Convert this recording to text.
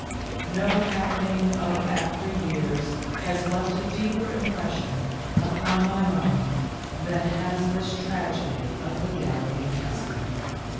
No happening of after years has left a deeper impression upon my mind than has this tragedy of the Galloping Hessian.